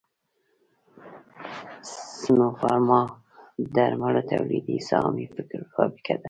سنوفارما د درملو تولیدي سهامي فابریکه ده